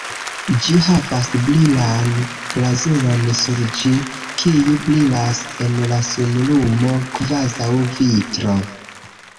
Ĝi havas brilan glazuron sur ĝi, kiu brilas en la sunlumo kvazaŭ vitro.